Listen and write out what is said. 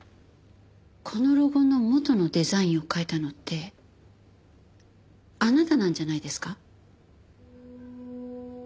このロゴの元のデザインを描いたのってあなたなんじゃないですか？